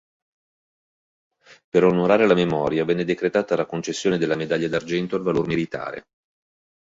Per onorarne la memoria venne decretata la concessione della Medaglia d'argento al valor militare